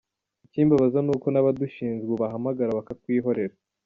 Ikimbabaza ni uko n’abadushinzwe ubahamagara bakakwihorera.